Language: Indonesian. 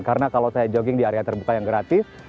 karena kalau saya jogging di area terbuka yang gratis